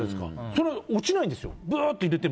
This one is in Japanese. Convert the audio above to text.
それが落ちないんです。